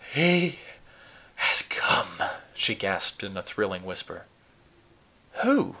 "HE has come," she gasped in a thrilling whisper. "Who?"